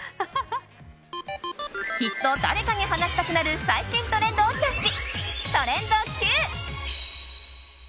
きっと誰かに話したくなる最新トレンドをキャッチ。